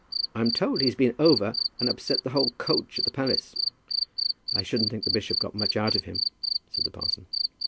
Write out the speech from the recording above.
I'm told he's been over and upset the whole coach at the palace." "I shouldn't think the bishop got much out of him," said the parson.